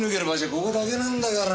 ここだけなんだから。